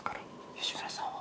吉村さんは？